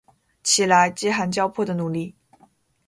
起来，饥寒交迫的奴隶！